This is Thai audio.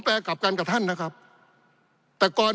ปี๑เกณฑ์ทหารแสน๒